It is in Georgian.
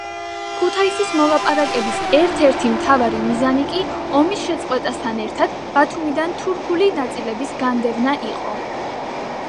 ქუთაისის მოლაპარაკების ერთ-ერთი მთავარი მიზანი კი, ომის შეწყვეტასთან ერთად, ბათუმიდან თურქული ნაწილების განდევნა იყო.